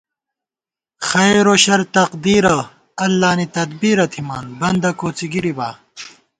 خیروشر تقدیرہ اللہ نی تدبیرہ تھِمان بندہ کوڅی گِرِبا